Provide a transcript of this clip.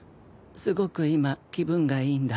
すごく今気分がいいんだ。